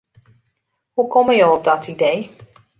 Hoe komme jo op dat idee?